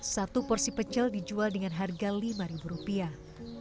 satu porsi pecel dijual dengan harga lima ribu rupiah